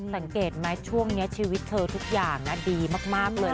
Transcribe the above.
สังเกตไหมช่วงนี้ชีวิตเธอทุกอย่างดีมากเลย